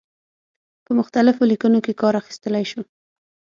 په مختلفو لیکنو کې کار اخیستلای شو.